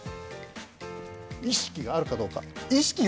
意識があるかどうか。